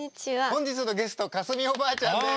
本日のゲスト架純おばあちゃんです！